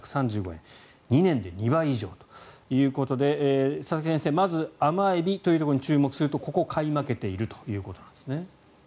２年で２倍以上ということで佐々木先生、まず甘エビというところに注目するとここ、買い負けているということなんですね。